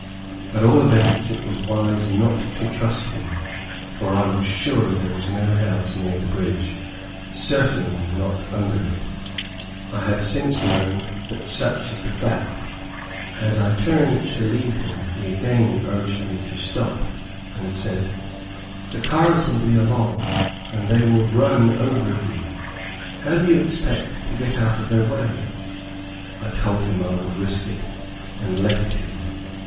At all events, it was wise not to trust him, for I was sure there was no house near the bridge, certainly not under it. I have since learned that such is the fact. As I turned to leave him, he again urged me to stop, and said, "The cars will soon be along, and they will run over you. How do you expect to get out of their way?" I told him I would risk it, and left him.